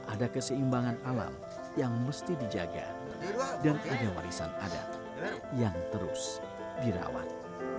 ada keseimbangan alam yang mesti dijaga dan ada warisan adat yang terus dirawat